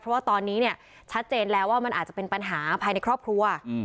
เพราะว่าตอนนี้เนี่ยชัดเจนแล้วว่ามันอาจจะเป็นปัญหาภายในครอบครัว